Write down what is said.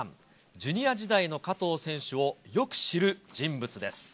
ジュニア時代の加藤選手をよく知る人物です。